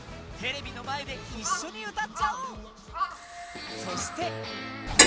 テレビの前で一緒に歌っちゃおう。